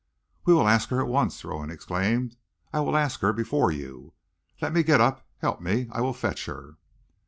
"We will ask her at once!" Rowan exclaimed. "I will ask her before you. Let me get up. Help me. I will fetch her."